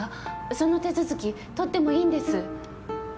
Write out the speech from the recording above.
その手続き取ってもいいんです。